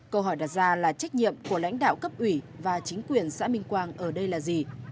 câu hỏi đặt ra là trách nhiệm của lãnh đạo cấp ủy và chính quyền xã minh quang ở đây là gì